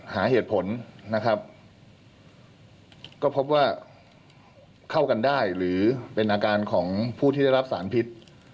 หาเหตุผลนะครับก็พบว่าเข้ากันได้หรือเป็นอาการของผู้ที่ได้รับสารพิษ